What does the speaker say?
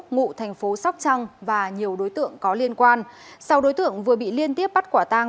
ngụ thành phố sóc trăng và nhiều đối tượng có liên quan sau đối tượng vừa bị liên tiếp bắt quả tang